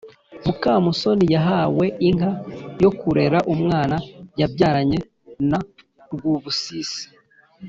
mukamusoni yahawe inka yo kurera umwana yabyaranye na rwubusisi